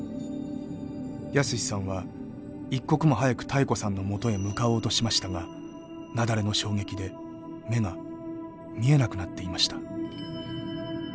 泰史さんは一刻も早く妙子さんのもとへ向かおうとしましたが雪崩の衝撃で目が見えなくなっていました。